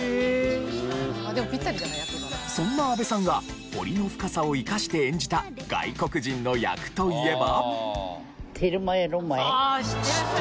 そんな阿部さんが彫りの深さを生かして演じた外国人の役といえば。